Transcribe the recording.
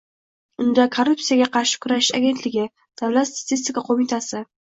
Unda Korrupsiyaga qarshi kurashish agentligi, Davlat statistika qo‘mitasi